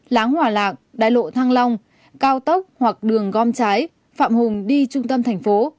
láng hòa lạc đại lộ thăng long cao tốc hoặc đường gom trái phạm hùng đi trung tâm thành phố